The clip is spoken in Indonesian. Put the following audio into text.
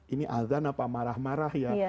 ini azan apa marah marah ya